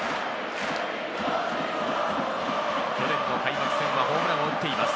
去年の開幕戦はホームランを打っています。